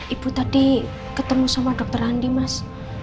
ibu tadi ketemu sama dokter andi mas